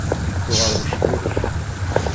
Tuɣal mecḥuṛet.